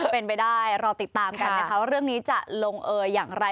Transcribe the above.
เป็นไปได้รอติดตามกันนะคะว่าเรื่องนี้จะลงเอยอย่างไร